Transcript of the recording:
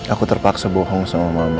aku terpaksa bohong sama mama